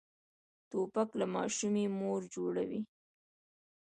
توپک له ماشومې مور جوړوي.